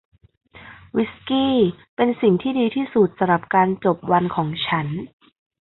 วิสกี้เป็นสิ่งที่ดีที่สุดสำหรับการจบวันของฉัน